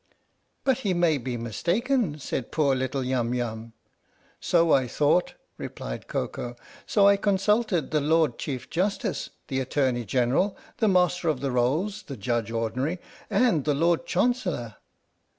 " But he may be mistaken !" said poor little Yum Yum. " So I thought," replied Koko, " so I consulted the Lord Chief Justice, the Attorney General, the Master of the Rolls, the Judge Ordinary, and the Lord Chan cellor.